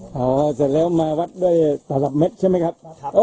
พอเสร็จแล้วมาวัดด้วยแต่ละเม็ดใช่ไหมครับ